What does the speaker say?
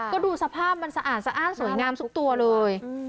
ก็ดูสภาพมันสะอาดสะอ้านสวยงามทุกตัวเลย